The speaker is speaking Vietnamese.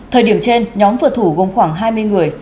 thời điểm trên nhóm vừa thủ gồm khoảng hai mươi người